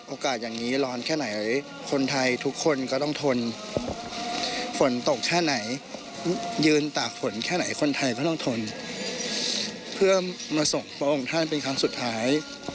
อย่างนี้ร้อนแค่ไหนคนไทยทุกคนก็ต้องทนฝนตกแค่ไหนยืนตากฝนแค่ไหนคนไทยก็ต้องทนเพื่อมาส่งพระองค์ท่านเป็นครั้งสุดท้าย